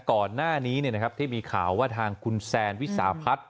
ก่อนหน้านี้ที่มีข่าวว่าทางคุณแซนวิสาพัฒน์